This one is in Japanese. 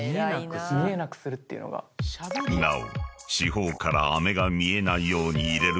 ［なお］